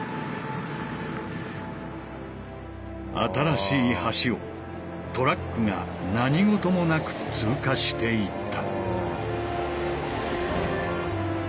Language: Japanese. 新しい橋をトラックが何事もなく通過していった。